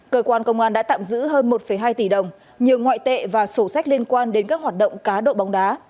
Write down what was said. cơ quan công an đã tạm giữ hơn một hai tỷ đồng nhiều ngoại tệ và sổ sách liên quan đến các hoạt động cá độ bóng đá